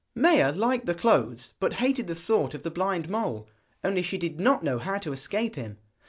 Maia liked the clothes, but hated the thought of the blind mole, only she did not know how to escape him.